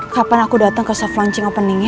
kapan aku datang ke soft launching openingnya